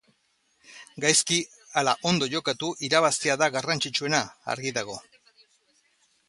Gaizki ala ondo jokatu, irabaztea da garrantzitsuena, argi dago.